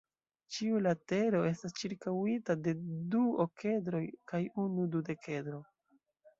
Ĉiu latero estas ĉirkaŭita de du okedroj kaj unu dudekedro.